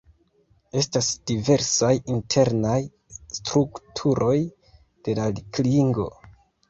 Estas diversaj internaj strukturoj de la klingo.